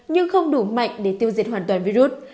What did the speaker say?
nhưng không đủ mạnh để tiêu diệt hoàn toàn virus